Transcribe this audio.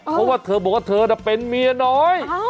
เพราะว่าเธอบอกว่าเธอน่ะเป็นเมียน้อย